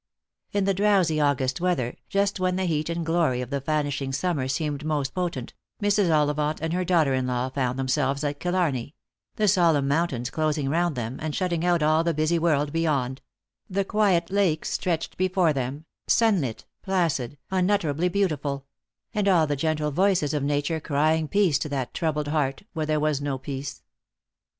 In the drowsy August weather, just when the heat and glory of the vanishing summer seemed most potent, Mrs. Ollivant and her daughter in law found themselves at Killarney; the solemn mountains closing round them, and shutting out all the busy world beyond; the quiet lakes stretched before them, sunlit, placid, unutterably beautiful; and all the gentle voices of nature crying peace to that troubled heart, where there was no peace.